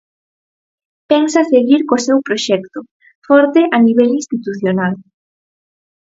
Pensa seguir co seu proxecto, forte a nivel institucional.